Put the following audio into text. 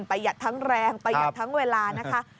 ประหยัดทั้งแรงประหยัดทั้งเวลานะคะ